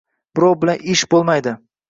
birov bilan ishi bo‘lmaydi.